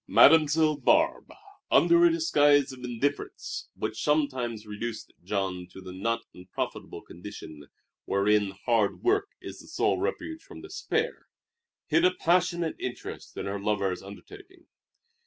Mademoiselle Barbe, under a disguise of indifference which sometimes reduced Jean to the not unprofitable condition wherein hard work is the sole refuge from despair, hid a passionate interest in her lover's undertaking.